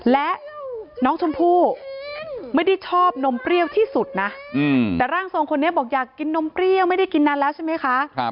และน้องชมพู่ไม่ได้ชอบนมเปรี้ยวที่สุดนะแต่ร่างทรงคนนี้บอกอยากกินนมเปรี้ยวไม่ได้กินนานแล้วใช่ไหมคะ